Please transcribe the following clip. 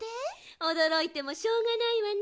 おどろいてもしょうがないわね。